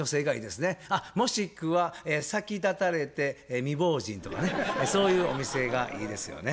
あっもしくは先立たれて未亡人とかねそういうお店がいいですよね。